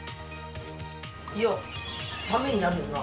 いやためになるよな。